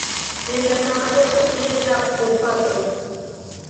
en la sama loko kiel la bopatro